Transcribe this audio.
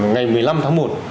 ngày một mươi năm tháng một